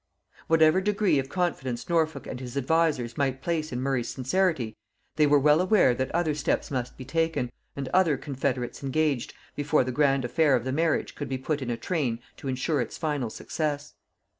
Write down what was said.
Whatever degree of confidence Norfolk and his advisers might place in Murray's sincerity, they were well aware that other steps must be taken, and other confederates engaged, before the grand affair of the marriage could be put in a train to ensure its final success.